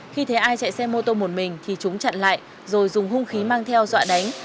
khi thấy ai chạy xe mô tô một mình thì chúng chặn lại rồi dùng hung khí mang theo dọa đánh